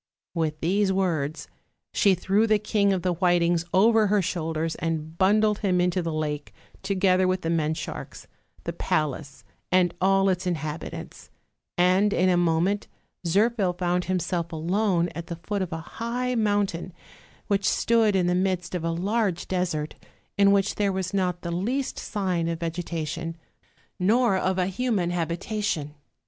With these words she threw the King of the Whitings over her shoulders and bundled him into the lake, to gether with the men sharks, the palace and all its inhab itants; and in a moment Zirphil found himself alone at the foot of a high mountain, which stood in the midst of a large desert in which there was not the least sign of vegetation, nor of a human habitation.